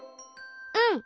うん。